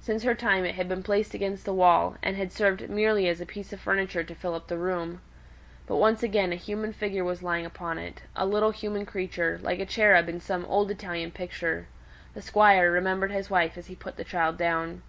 Since her time it had been placed against the wall, and had served merely as a piece of furniture to fill up the room. But once again a human figure was lying upon it; a little human creature, like a cherub in some old Italian picture. The Squire remembered his wife as he put the child down.